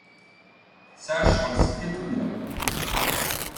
Tesɛa ccɣel seg yiḍelli.